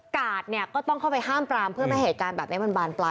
กาดเนี่ยก็ต้องเข้าไปห้ามปรามเพื่อไม่เหตุการณ์แบบนี้มันบานปลาย